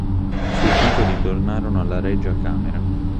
I suoi titoli tornarono alla Regia Camera.